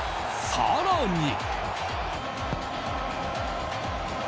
更に。